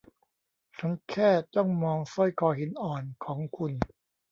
ฉันแค่จ้องมองสร้อยคอหินอ่อนของคุณ